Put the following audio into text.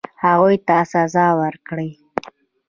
هغوی ته سزا ورکړي.